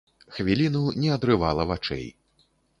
Хвіліну не адрывала вачэй.